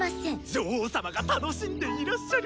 女王様が楽しんでいらっしゃる。